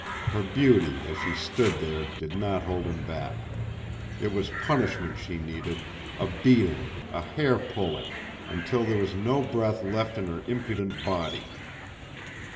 Her beauty as she stood there did not hold him back. It was punishment she needed, a beating, a hair pulling, until there was no breath left in her impudent body.